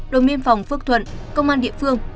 đồng biên phòng phước thuận công an địa phương